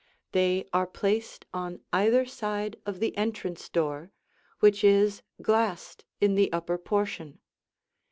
They are placed on either side of the entrance door, which is glassed in the upper portion.